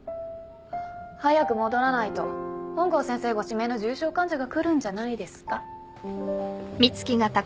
早く戻らないと本郷先生ご指名の重症患者が来るんじゃないですか？